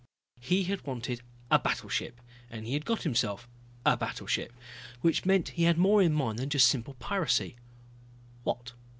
He had wanted a battleship, and he had gotten himself a battleship. Which meant he had more in mind than simple piracy. What?